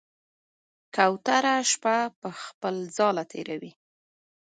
کوتره شپه په خپل ځاله تېروي.